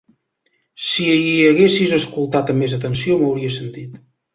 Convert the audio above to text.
Si haguessis escoltat amb més atenció, m'hauries sentit.